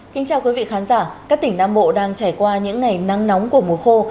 kính chào quý vị khán giả các tỉnh nam bộ đang trải qua những ngày nắng nóng của mùa khô